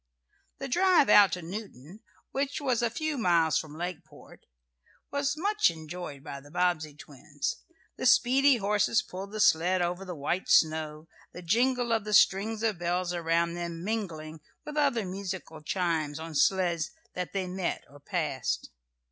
The drive out to Newton, which was a few miles from Lakeport, was much enjoyed by the Bobbsey twins. The speedy horses pulled the sled over the white snow, the jingle of the strings of bells around them mingling with other musical chimes on sleds that they met, or passed.